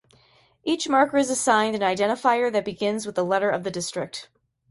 Each marker is assigned an identifier that begins with the letter of the district.